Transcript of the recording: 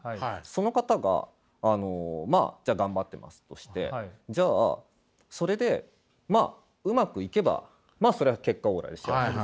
その方があのまあじゃあ頑張ってますとしてじゃあそれでまあうまくいけばまあそれは結果オーライで幸せです。